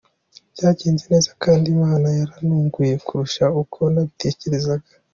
Byagenze neza kandi Imana yarantunguye kurusha uko nabitekerezaga.